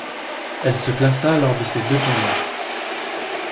Elle se classa lors de ces deux tournois.